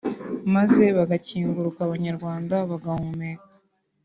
maze bagakinguruka abanyarwanda bagahumeka